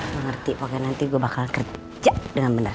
aku ngerti pokoknya nanti gua bakal kerja dengan benar